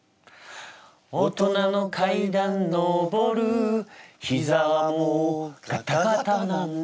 大人の階段のぼる膝はもうガタガタなんだ。